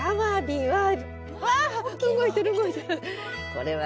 これは。